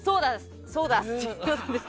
そうだす。